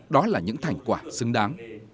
đó là những thành quả xứng đáng